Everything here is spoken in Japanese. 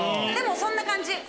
でもそんな感じ。